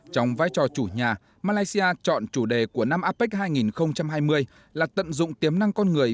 trong vai trò chủ nhà malaysia chọn chủ đề của năm apec hai nghìn hai mươi là tận dụng tiềm năng con người